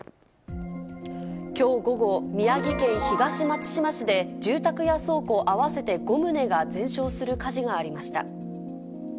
きょう午後、宮城県東松島市で、住宅や倉庫合わせて５棟が全焼する火事がありました。